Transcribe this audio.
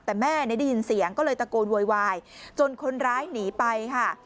แต่แม่ได้ยินเสียงก็เลยตะโกนโวยวายจนคนร้ายหนีไปค่ะ